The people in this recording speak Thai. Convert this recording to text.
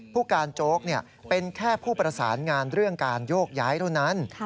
ผู้การโจ๊กเป็นแค่ผู้ประสานงานเรื่องการโยกย้ายเท่านั้น